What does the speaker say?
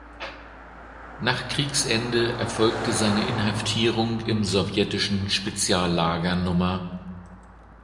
Nach Kriegsende erfolgte seine Inhaftierung im sowjetischen Speziallager Nr.